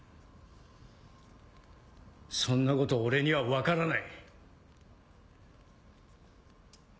そんなこと俺には分からない。